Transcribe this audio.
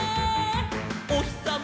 「おひさま